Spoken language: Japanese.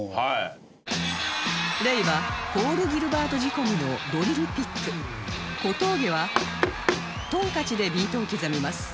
Ｒｅｉ はポール・ギルバート仕込みのドリルピック小峠はトンカチでビートを刻みます